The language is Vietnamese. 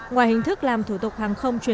ngoài hình thức làm thủ tục